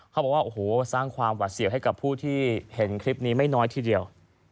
เขาบอกว่าโอ้โหสร้างความหวัดเสียวให้กับผู้ที่เห็นคลิปนี้ไม่น้อยทีเดียว